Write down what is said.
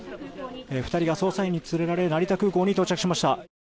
２人が捜査員に連れられ成田空港に到着しました。